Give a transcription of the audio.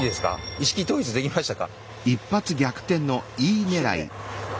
意識統一できましたか？